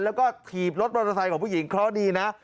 แล้วก็ฉีบรถมทรัศน์ของผู้หญิงเพราะดีนะ